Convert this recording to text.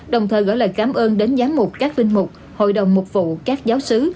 đồng thời gửi lời cảm ơn đến giám mục các linh mục hội đồng mục vụ các giáo sứ